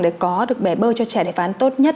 để có được bế bơi cho trẻ đề phán tốt nhất